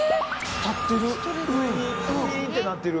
⁉立ってる。